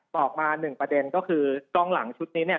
ออกมาหนึ่งประเด็นก็คือกล้องหลังชุดนี้เนี่ย